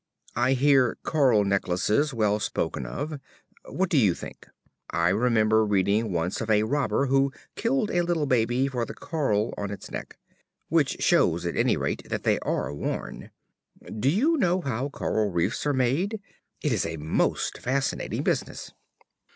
I hear coral necklaces well spoken of. What do you think? I remember reading once of a robber who "killed a little baby for the coral on its neck" which shows at any rate that they are worn. Do you know how coral reefs are made? It is a most fascinating business.